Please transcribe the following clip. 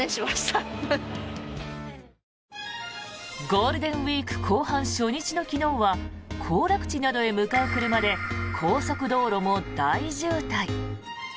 ゴールデンウィーク後半初日の昨日は行楽地などへ向かう車で高速道路も大渋滞。